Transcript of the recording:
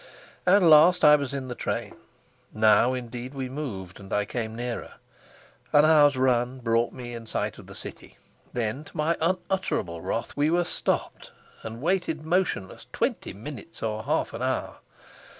At last I was in the train; now indeed we moved, and I came nearer. An hour's run brought me in sight of the city. Then, to my unutterable wrath, we were stopped, and waited motionless twenty minutes or half an hour.